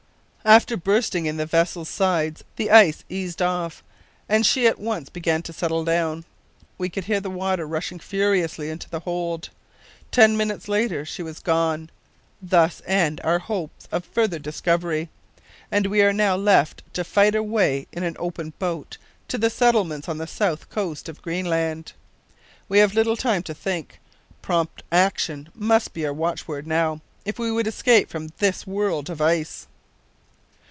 "After bursting in the vessel's sides the ice eased off, and she at once began to settle down. We could hear the water rushing furiously into the hold. Ten minutes later she was gone! Thus end our hopes of farther discovery, and we are now left to fight our way in an open boat to the settlements on the south coast of Greenland. We have little time to think. Prompt action must be our watchword now, if we would escape from this world of ice.